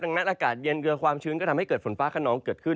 ดังนั้นอากาศเย็นเกลือความชื้นก็ทำให้เกิดฝนฟ้าขนองเกิดขึ้น